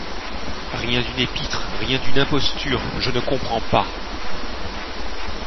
Rien d'une épître, rien d'une imposture, je ne comprends pas !